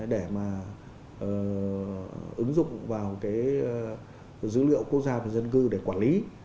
để mà ứng dụng vào dữ liệu quốc gia về dân cư để quản lý